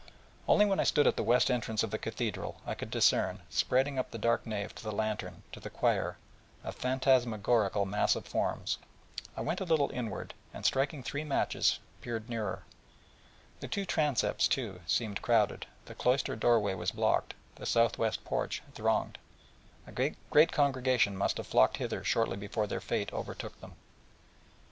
Only when I stood at the west entrance of the Cathedral I could discern, spreading up the dark nave, to the lantern, to the choir, a phantasmagorical mass of forms: I went a little inward, and striking three matches, peered nearer: the two transepts, too, seemed crowded the cloister doorway was blocked the southwest porch thronged, so that a great congregation must have flocked hither shortly before their fate overtook them.